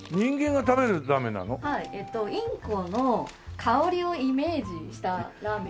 はいインコの香りをイメージしたラーメン。